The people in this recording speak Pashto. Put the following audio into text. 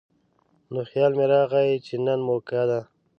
نو خيال مې راغے چې نن موقع ده ـ